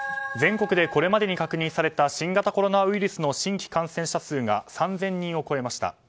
全国でこれまでに確認された新型コロナウイルスの新規感染者数が３０００人を超えました。